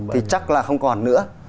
thì chắc là không còn nữa